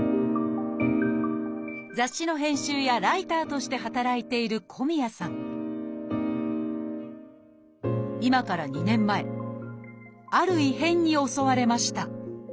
雑誌の編集やライターとして働いている今から２年前ある異変に襲われました